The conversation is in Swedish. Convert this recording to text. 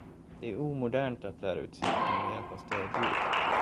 Det är omodernt att lära ut cykling med hjälp av stödhjul.